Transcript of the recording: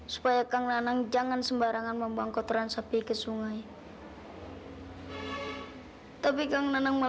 saya tidak berani membantah kang nanang